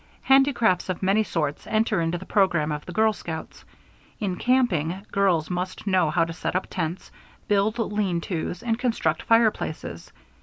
Handicrafts of many sorts enter into the program of the girl scouts. In camping, girls must know how to set up tents, build lean to's, and construct fireplaces.